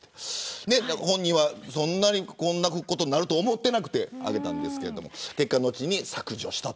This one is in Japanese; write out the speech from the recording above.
本人はこんなことになると思っていなくてあげたんですけど結果、後に削除した。